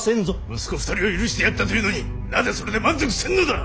息子２人は許してやったというのになぜそれで満足せんのだ！